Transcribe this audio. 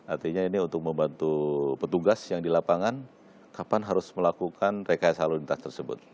artinya ini untuk membantu petugas yang di lapangan kapan harus melakukan rekayasa lalu lintas tersebut